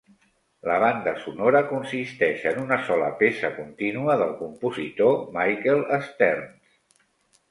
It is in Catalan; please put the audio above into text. La banda sonora consisteix en una sola peça contínua del compositor Michael Stearns.